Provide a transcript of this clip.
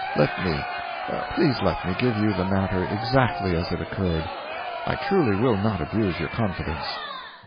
Let me—please let me, give you the matter, exactly as it occurred. I truly will not abuse your confidence."